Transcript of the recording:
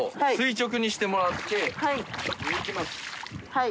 はい。